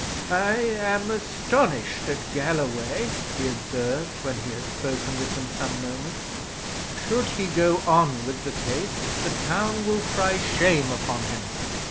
"I am astonished at Galloway!" he observed, when he had spoken with them some moments. "Should he go on with the case, the town will cry shame upon him."